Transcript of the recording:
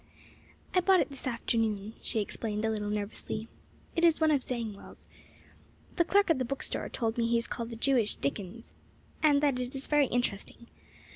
"I bought it this afternoon," she explained, a little nervously. "It is one of Zangwill's. The clerk at the bookstore told me he is called the Jewish Dickens, and that it is very interesting.